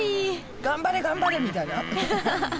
頑張れ頑張れ！みたいな。